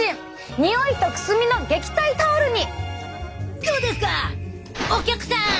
においとくすみの撃退タオルに！